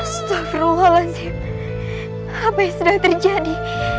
setelah lanjut habis sudah terjadi